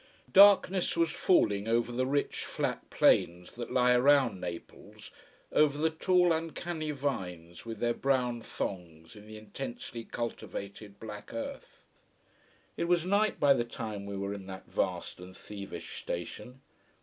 Darkness was falling over the rich flat plains that lie around Naples, over the tall uncanny vines with their brown thongs in the intensely cultivated black earth. It was night by the time we were in that vast and thievish station.